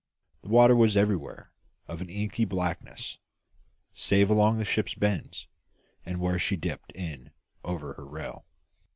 The water was everywhere of an inky blackness, save along the ship's bends and where she dipped it in over her rail.